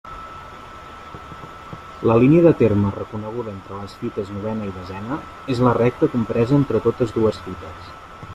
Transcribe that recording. La línia de terme reconeguda entre les fites novena i desena és la recta compresa entre totes dues fites.